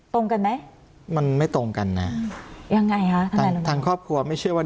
ตรงกันไหมมันไม่ตรงกันนะยังไงฮะทางทางครอบครัวไม่เชื่อว่า